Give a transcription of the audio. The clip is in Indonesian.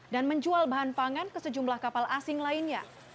dan menjual bahan pangan ke sejumlah kapal asing lainnya